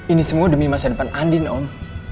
ini semua demi masa depan andin om